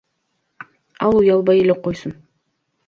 Ал уялбай эле койсун.